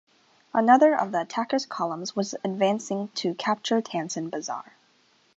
Another of the attackers' columns was advancing to capture Tansen Bazar.